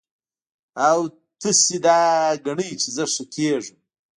او تاسو دا ګڼئ چې زۀ ښۀ کېږم